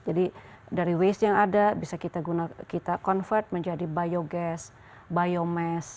jadi dari waste yang ada bisa kita convert menjadi biogas biomass